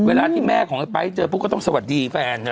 เวลาที่แม่ของไอ้ไป๊ต์เจอพวกเขาต้องสวัสดีแฟน